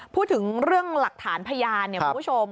พูดถึงเรื่องหลักฐานพยานเนี่ยคุณผู้ชม